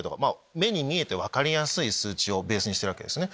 目に見えて分かりやすい数値をベースにしてるわけですよね。